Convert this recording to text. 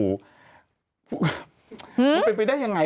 มันไปได้อย่างไร